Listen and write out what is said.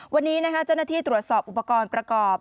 วันนี้เจ้าหน้าที่ตรวจสอบอุปกรณ์ประกอบ